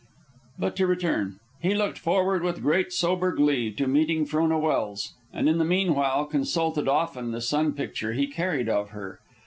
But to return. He looked forward with great sober glee to meeting Frona Welse, and in the meanwhile consulted often the sun picture he carried of her.